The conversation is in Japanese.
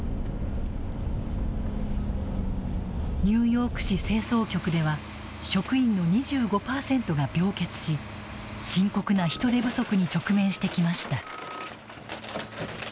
ニューヨーク市清掃局では職員の２５％が病欠し深刻な人手不足に直面してきました。